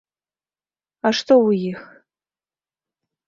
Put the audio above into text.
А што ў іх?